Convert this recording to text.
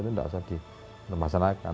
itu tidak usah dimasalahkan